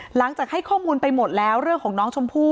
หลังจากให้ข้อมูลไปหมดแล้วเรื่องของน้องชมพู่